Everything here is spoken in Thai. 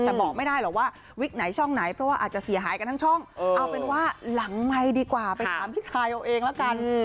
แต่บอกไม่ได้หรอกว่าวิกไหนช่องไหนเพราะว่าอาจจะเสียหายกันทั้งช่องเอาเป็นว่าหลังไมค์ดีกว่าไปถามพี่ชายเอาเองแล้วกัน